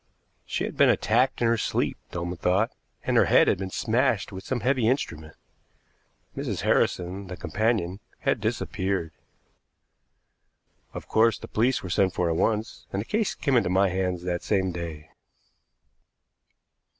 She had been attacked in her sleep, Dolman thought, and her head had been smashed with some heavy instrument; Mrs. Harrison, the companion, had disappeared. Of course, the police were sent for at once, and the case came into my hands that same day.